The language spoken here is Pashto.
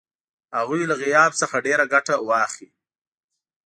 هغوی له غیاب څخه ډېره ګټه واخلي.